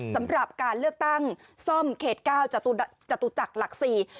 สำหรับการเลือกตั้งซ่อมเขต๙จตุจักรหลักสี่